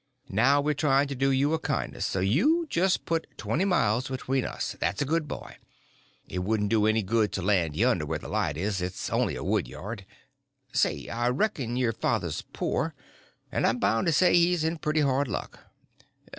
Now we're trying to do you a kindness; so you just put twenty miles between us, that's a good boy. It wouldn't do any good to land yonder where the light is—it's only a wood yard. Say, I reckon your father's poor, and I'm bound to say he's in pretty hard luck.